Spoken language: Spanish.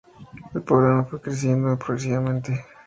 El poblado fue creciendo progresivamente.